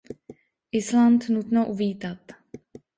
Island nutno uvítat.